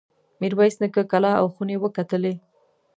میرویس نیکه کلا او خونې وکتلې.